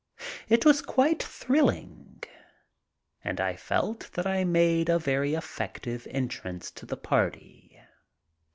It was quite thrilling and I felt that I made a very effective entrance to the party.